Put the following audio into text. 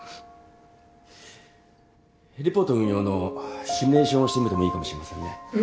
ヘリポート運用のシミュレーションをしてみてもいいかもしれませんね。